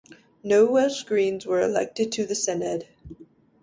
No Welsh Greens were elected to the Senedd.